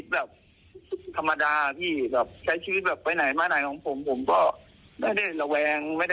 เพราะว่า๓ปีที่ผ่านมาผมก็ระแวงตลอดนะ